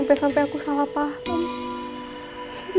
mungkin aku aja gak tau cara ibu menyayangnya